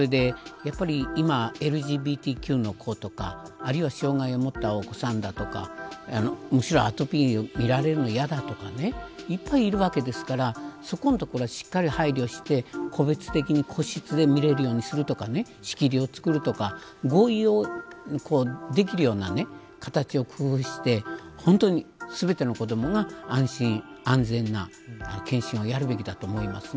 やっぱり今ＬＧＢＴＱの子とかあるいは障害を持ったお子さんとかむしろ、アトピーを見られるのは嫌だとかいっぱいいるわけですからそこのところはしっかり配慮して個別に個室で見られるようにするとか仕切りを作るとか合意ができるような形を工夫して本当に全ての子どもが安心安全な健診をやるべきだと思います。